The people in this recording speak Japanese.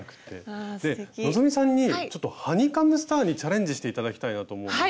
希さんにちょっとハニカムスターにチャレンジして頂きたいなと思うんですが。